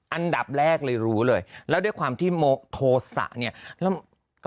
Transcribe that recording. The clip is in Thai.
อันดับแรกเลยรู้เลยแล้วด้วยความที่เนียแล้วก็